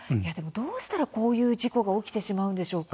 どうしたらこういう事故が起きてしまうんでしょうか。